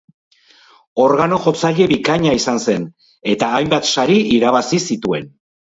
Organo-jotzaile bikaina izan zen, eta hainbat sari irabazi zituen.